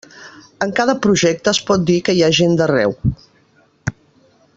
En cada projecte es pot dir que hi ha gent d'arreu.